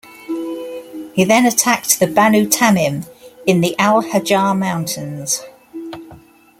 He then attacked the Banu Tamim in the Al Hajar Mountains.